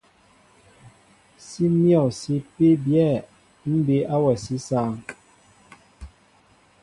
Sí myɔ̂ sí ipí byɛ̂ ḿbí awasí sááŋ.